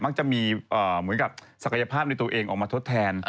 มักจะมีเหมือนกับศักยภาพในตัวเองออกมาทดแทน